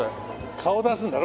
顔出すんだろ？